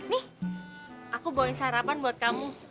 nih aku bawain sarapan buat kamu